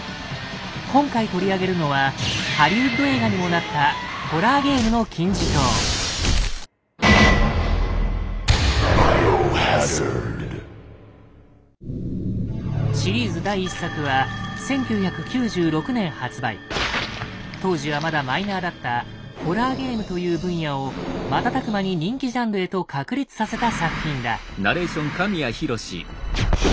今回取り上げるのはハリウッド映画にもなったシリーズ第１作は当時はまだマイナーだった「ホラーゲーム」という分野を瞬く間に人気ジャンルへと確立させた作品だ。